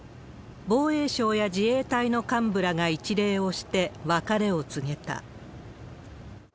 防衛省や自衛隊の幹部らが一礼をして、別れを告げた。